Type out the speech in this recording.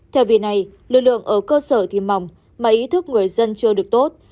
theo vì này lực lượng ở cơ sở thì mỏng mà ý thức người dân chưa được tốt